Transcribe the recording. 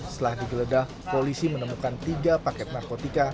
setelah digeledah polisi menemukan tiga paket narkotika